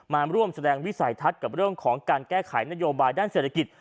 มาร่วมแสดงวิสัยทัศน์กับเรื่องของการแก้ไขนโยบายด้านเศรษฐกิจ